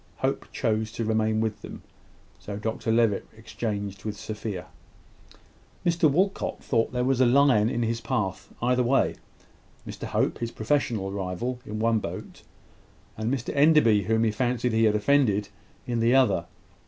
Hope chose to remain with them; so Dr Levitt exchanged with Sophia. Mr Walcot thought there was a lion in his path either way Mr Hope, his professional rival, in one boat, and Mr Enderby, whom he fancied he had offended, in the other.